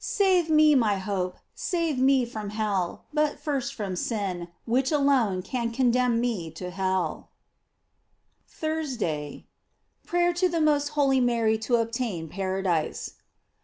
Save me, my hope, save me from hell ; but first from sin, which alone can condemn me to hell THURSDAY. Prayer to the most holy Mary to obtain paradise.